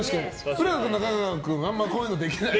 浦野君、中川君あんまこういうのできない。